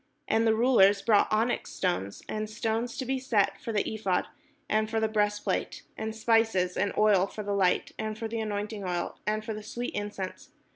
And the rulers brought onyx stones, and stones to be set, for the ephod, and for the breastplate; and spice, and oil for the light, and for the anointing oil, and for the sweet incense.